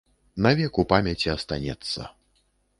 Навек у памяці астанецца.